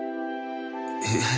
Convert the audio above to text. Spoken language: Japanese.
えっ？